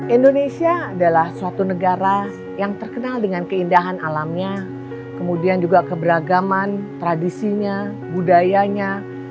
indonesia adalah suatu negara yang terkenal dengan keindahan alamnya kemudian juga keberagaman tradisinya budayanya